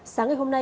sáng ngày hôm nay